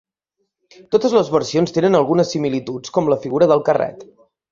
Totes les versions tenen algunes similituds, com la figura del carret.